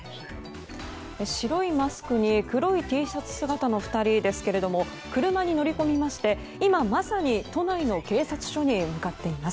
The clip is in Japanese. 白いマスクに黒いＴシャツ姿の２人ですけれども車に乗り込みまして今まさに都内の警察署に向かっています。